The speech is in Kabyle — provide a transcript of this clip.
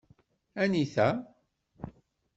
Anita?